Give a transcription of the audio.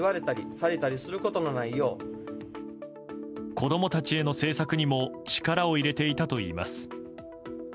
子供たちへの政策にも力を入れていたといいます。